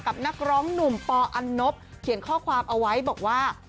นักร้องหนุ่มปอันนบเขียนข้อความเอาไว้บอกว่า